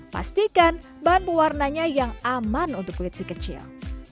pastikan bahan pewarnanya yang aman untuk kulit si kecil